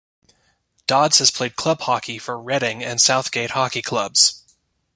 Dodds has played club hockey for Reading and Southgate hockey clubs.